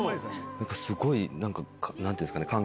すごい何ていうんですかね感